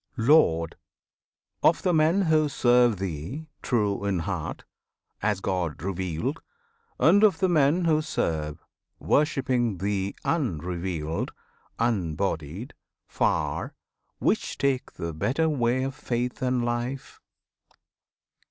Lord! of the men who serve Thee true in heart As God revealed; and of the men who serve, Worshipping Thee Unrevealed, Unbodied, Far, Which take the better way of faith and life?